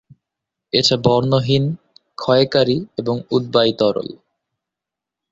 এটা বর্ণহীন, ক্ষয়কারী এবং উদ্বায়ী তরল।